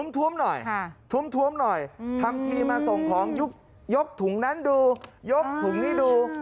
้มหน่อยท้วมหน่อยทำทีมาส่งของยกถุงนั้นดูยกถุงนี้ดู